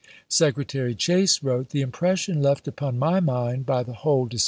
Secretary Chase wrote :" The impression left upon my mind by the whole dis 1862.